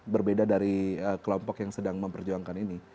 berbeda dari kelompok yang sedang memperjuangkan ini